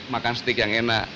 makan steak yang enak